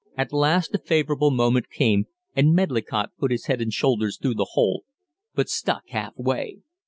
At last a favorable moment came and Medlicott put his head and shoulders through the hole, but stuck half way.